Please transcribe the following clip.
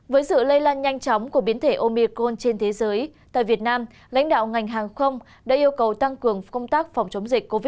với sự lây lan nhanh chóng của biến thể omircool trên thế giới tại việt nam lãnh đạo ngành hàng không đã yêu cầu tăng cường công tác phòng chống dịch covid một mươi chín